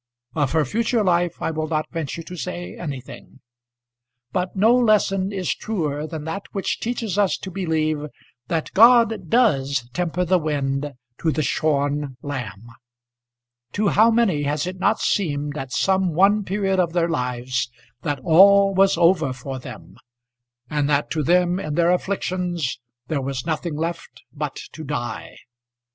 Of her future life I will not venture to say anything. But no lesson is truer than that which teaches us to believe that God does temper the wind to the shorn lamb. To how many has it not seemed, at some one period of their lives, that all was over for them, and that to them in their afflictions there was nothing left but to die!